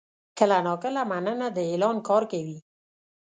کله ناکله «مننه» د اعلان کار کوي.